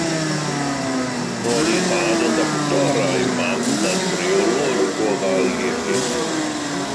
Roedd ei thad yn ddoctor, ai mam yn reolwr gofal iechyd.